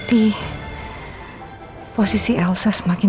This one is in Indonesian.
dia bukan pelaku yang berpikir